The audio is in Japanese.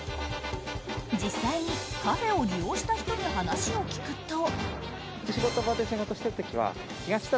実際にカフェを利用した人に話を聞くと。